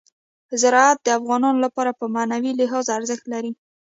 زراعت د افغانانو لپاره په معنوي لحاظ ارزښت لري.